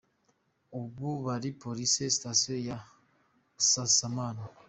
Ubu bari police Station ya Busasamana”.